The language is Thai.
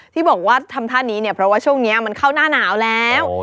ที่บอกว่าทำท่านี้เนี่ยเพราะว่าช่วงนี้มันเข้าหน้าหนาวแล้ว